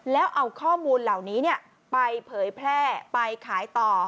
แล้วเอาข้อมูลเหล่านี้ไปเผยแพร่ไปขายต่อ